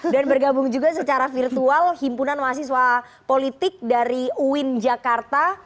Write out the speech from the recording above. dan bergabung juga secara virtual himpunan mahasiswa politik dari uin jakarta